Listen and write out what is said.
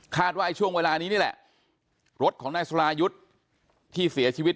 ว่าช่วงเวลานี้นี่แหละรถของนายสุรายุทธ์ที่เสียชีวิต